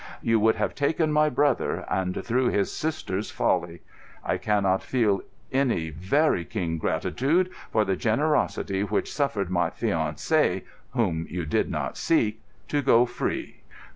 You would have taken my brother, and through his sister's folly. I cannot feel any very keen gratitude for the generosity which suffered my fiancé, whom you did not seek, to go free."